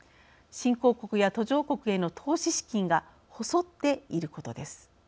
新興国や途上国への投資資金が細っていることです。